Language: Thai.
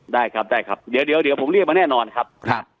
ได้ครับได้ครับเดี๋ยวเดี๋ยวเดี๋ยวผมเรียกมาแน่นอนครับครับ